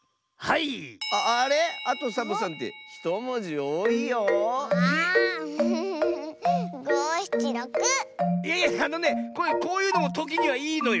いやいやあのねこういうのもときにはいいのよ。